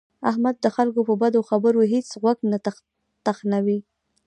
احمد د خلکو په بدو خبرو هېڅ غوږ نه تخنوي.